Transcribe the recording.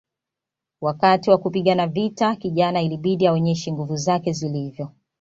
Wakati wa kupigana vita kijana ilibidi aonyeshe nguvu zake zilivyo